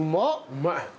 うまい。